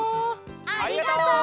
ありがとう！